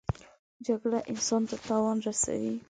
جګړه انسان ته تاوان رسوي